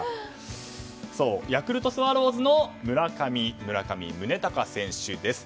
そう、ヤクルトスワローズの村上宗隆選手です。